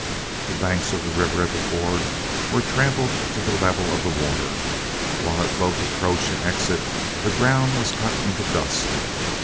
The banks of the river at the ford were trampled to the level of the water, while at both approach and exit the ground was cut into dust.